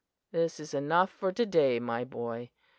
"This is enough for to day, my boy.